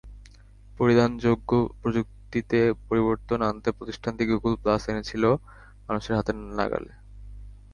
পরিধানযোগ্য প্রযুক্তিতে পরিবর্তন আনতে প্রতিষ্ঠানটি গুগল গ্লাস এনেছিল মানুষের হাতের নাগালে।